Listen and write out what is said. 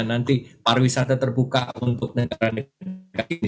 nanti pariwisata terbuka untuk negara negara